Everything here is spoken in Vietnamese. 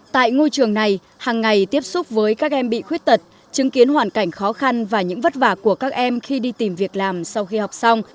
tại ngôi trường này hàng ngày tiếp xúc với các em bị khuyết tật chứng kiến hoàn cảnh khó khăn và những vất vả của các em khi đi tìm việc làm sau khi học xong